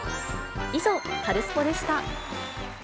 以上、カルスポっ！でした。